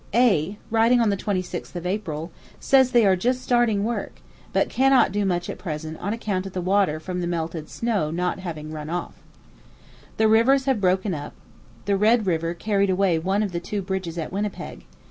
A , writing on the 26th of April, says they are just starting work, but cannot do much at present on account of the water from the melted snow not having run off. The rivers have broken up. The Red River carried away one of the two bridges at Winnipeg.